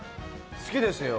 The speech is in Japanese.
好きですよ。